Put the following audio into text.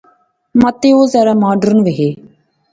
متے او ذرا ماڈرن وہے